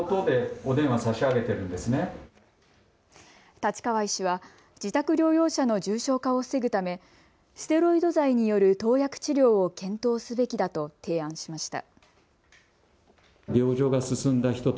立川医師は自宅療養者の重症化を防ぐためステロイド剤による投薬治療を検討すべきだと提案しました。